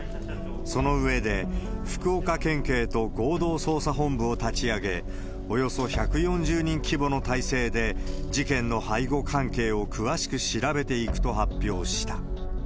その上で、福岡県警と合同捜査本部を立ち上げ、およそ１４０人規模の態勢で、事件の背後関係を詳しく調べていくと発表した。